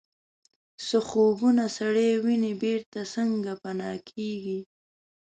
څه خوبونه سړی ویني بیرته څنګه پناه کیږي